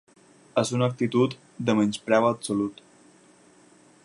És una actitud de menyspreu absolut.